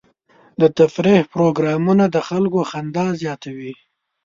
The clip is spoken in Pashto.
د تفریح پروګرامونه د خلکو خندا زیاتوي.